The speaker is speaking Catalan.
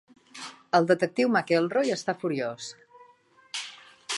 El detectiu McElroy està furiós.